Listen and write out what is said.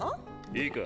いいか？